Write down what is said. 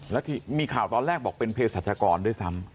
แล้วที่มีข่าวตอนแรกบอกเป็นเพศรัชกรด้วยซ้ำ